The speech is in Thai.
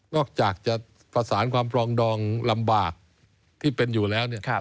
อกจากจะประสานความปรองดองลำบากที่เป็นอยู่แล้วเนี่ย